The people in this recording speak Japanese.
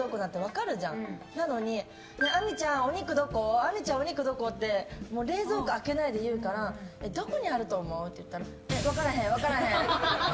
亜美ちゃん、お肉どこ？って冷蔵庫開けないで言うからどこにあると思う？って言ったら分からへん、分からへんって。